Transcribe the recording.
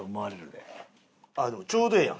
でもちょうどええやん。